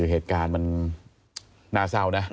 เหตุการณ์มันน่าเศร้านะ